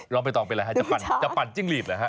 ลองไปต่อเป็นอะไรจะปั่นจิ้งหลีบหรือเปล่า